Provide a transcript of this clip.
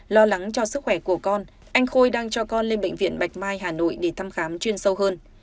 lo lắng cho sức khỏe của con anh khôi đang cho con lên bệnh viện bạch mai hà nội để thăm khám chuyên sâu hơn